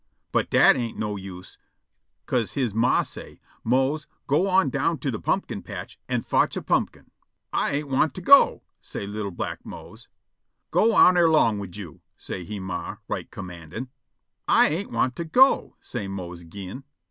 But dat ain't no use, 'ca'se he ma say', "Mose, go on down to de pumpkin patch an' fotch a pumpkin." "I ain't want to go," say' li'l' black Mose. "Go on erlong wid yo'," say' he ma, right commandin'. "I ain't want to go," say' Mose ag'in.